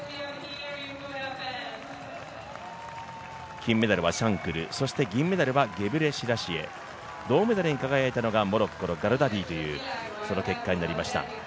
金メダルはシャンクル、そして銀メダルはゲブレシラシエ、銅メダルに輝いたのがモロッコのガルダディという結果になりました。